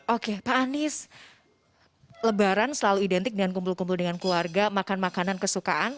oke pak anies lebaran selalu identik dengan kumpul kumpul dengan keluarga makan makanan kesukaan